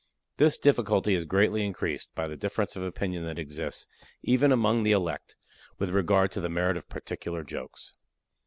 This difficulty is greatly increased by the difference of opinion that exists, even among the elect, with regard to the merit of particular jokes.